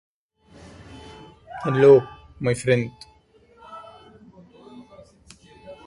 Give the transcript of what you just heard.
Weeks later, Brown discovered that Runnels had never been pregnant.